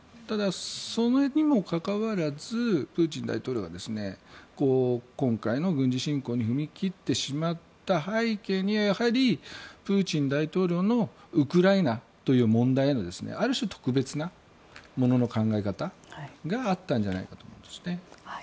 ただ、それにもかかわらずプーチン大統領は今回の軍事侵攻に踏み切ってしまった背景にはやはりプーチン大統領のウクライナという問題へのある種、特別な物の考え方があったんじゃないかと思うんですね。